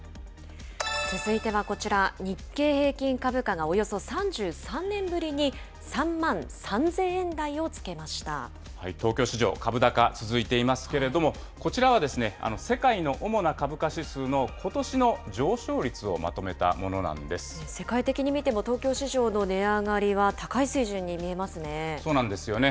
続いてはこちら、日経平均株価がおよそ３３年ぶりに３万３０東京市場、株高続いていますけれども、こちらは世界の主な株価指数のことしの上昇率をまとめ世界的に見ても、東京市場のそうなんですよね。